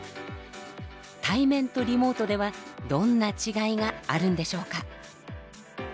対面とリモートではどんな違いがあるんでしょうか。